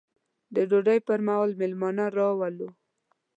د ډوډۍ پر مهال مېلمانه راولو.